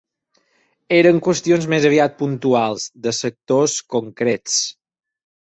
Eren qüestions més aviat puntuals, de sectors concrets.